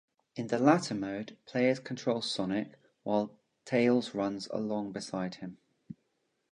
In the latter mode, players control Sonic while Tails runs along beside him.